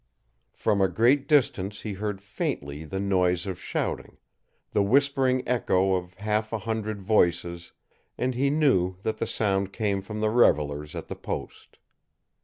From a great distance he heard faintly the noise of shouting, the whispering echo of half a hundred voices, and he knew that the sound came from the revelers at the post.